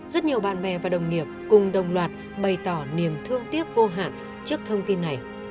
rất nhiều bạn bè và đồng nghiệp cùng đồng loạt bày tỏ niềm thương tiếc vô hạn trước thông tin này